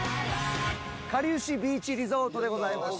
かりゆしビーチリゾートでございます。